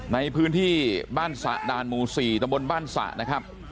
ในพื้นที่บ้านสะด่านหมู่๔ตำบลบ้านสะนะครับ